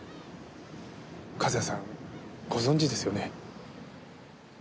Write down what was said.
和也さんご存じですよね？